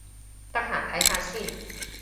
得閒睇下先